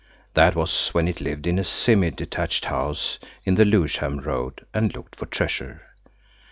That was when it lived in a semi detached house in the Lewisham Road, and looked for treasure.